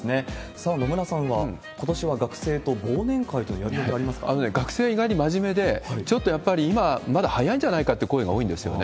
さあ、野村さんは、こ学生、意外に真面目で、ちょっとやっぱり今、まだ早いんじゃないかという声が多いんですね。